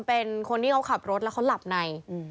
เป็นคนที่เขาขับรถแล้วเขาหลับใน